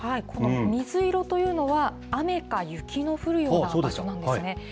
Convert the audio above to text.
この水色というのは、雨か雪の降るような場所なんですね。